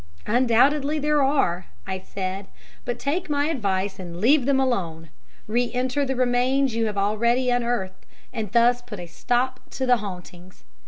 "Undoubtedly there are," I said, "but take my advice and leave them alone re inter the remains you have already unearthed and thus put a stop to the hauntings.